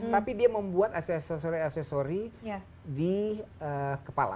tapi dia membuat aksesori aksesori di kepala